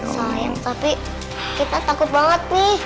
sayang tapi kita takut banget mi